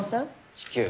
地球。